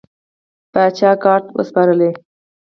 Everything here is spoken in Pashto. پاچا ګارد ته وسپارلې.